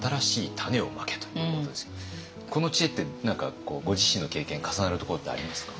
この知恵って何かご自身の経験重なるところってありますか？